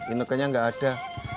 inoknya gak ada